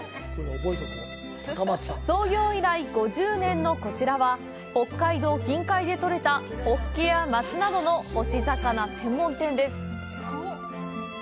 創業以来５０年のこちらは北海道近海でとれたホッケやマスなどの干し魚専門店です。